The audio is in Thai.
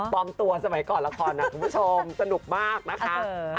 ปลอมตัวสมัยก่อนละครคุณผู้ชมสนุกมากนะคะ